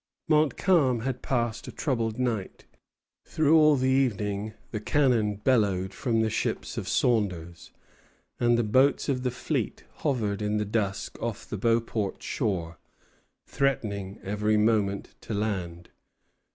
Montcalm had passed a troubled night. Through all the evening the cannon bellowed from the ships of Saunders, and the boats of the fleet hovered in the dusk off the Beauport shore, threatening every moment to land.